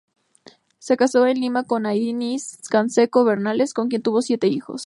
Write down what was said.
Se casó en Lima con Aída Diez-Canseco Bernales, con quien tuvo siete hijos.